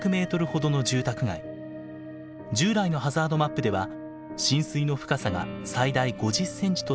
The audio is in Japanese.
従来のハザードマップでは浸水の深さが最大５０ｃｍとされていた場所です。